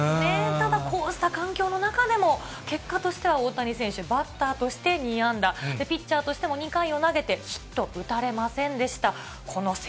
ただ、こうした環境の中でも結果としては大谷選手、バッターとして２安打、ピッチャーとしても２回を投げてヒット、打たれませんでした。